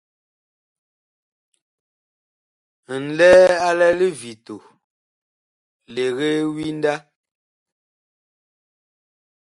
Ŋlɛɛ a lɛ livito, legee winda.